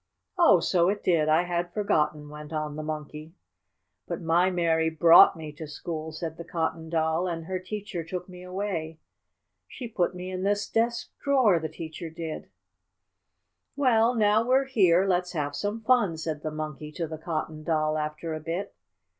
"Oh, so it did I had forgotten," went on the Monkey. "But my Mary brought me to school," said the Cotton Doll, "and her teacher took me away. She put me in this desk drawer; the teacher did." "Well, now we're here, let's have some fun," said the Monkey to the Cotton Doll after a bit.